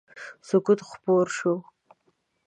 سکوت خپور شو.